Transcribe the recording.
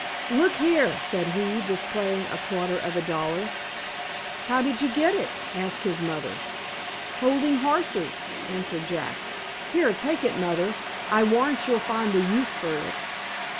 "Look there!" said he, displaying a quarter of a dollar. "How did you get it?" asked his mother. "Holding horses," answered Jack. "Here, take it, mother. I warrant you'll find a use for it."